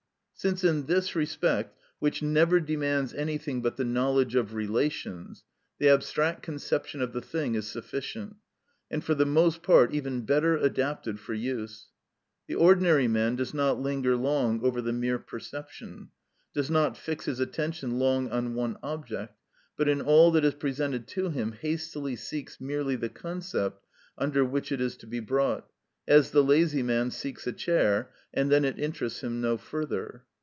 Since in this respect, which never demands anything but the knowledge of relations, the abstract conception of the thing is sufficient, and for the most part even better adapted for use; the ordinary man does not linger long over the mere perception, does not fix his attention long on one object, but in all that is presented to him hastily seeks merely the concept under which it is to be brought, as the lazy man seeks a chair, and then it interests him no further.